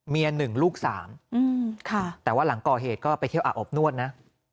๑ลูก๓แต่ว่าหลังก่อเหตุก็ไปเที่ยวอาบอบนวดนะ